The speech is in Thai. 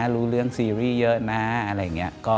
รู้เรื่องซีรีส์เยอะนะอะไรอย่างนี้